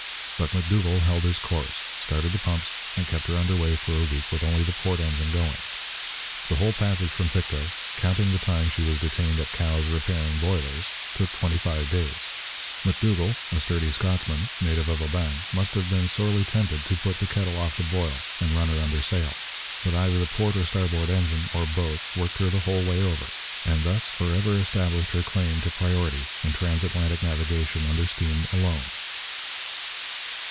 But M'Dougall held his course, started the pumps, and kept her under way for a week with only the port engine going. The whole passage from Pictou, counting the time she was detained at Cowes repairing boilers, took twenty five days. M'Dougall, a sturdy Scotsman, native of Oban, must have been sorely tempted to 'put the kettle off the boil' and run her under sail. But either the port or starboard engine, or both, worked her the whole way over, and thus for ever established her claim to priority in transatlantic navigation under steam alone.